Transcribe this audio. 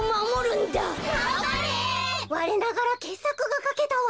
われながらけっさくがかけたわ。